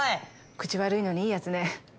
口悪いのにいい奴ね。